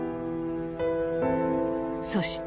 そして。